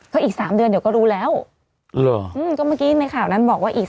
ก็อีก๓เดือนเดี๋ยวก็รู้แล้ว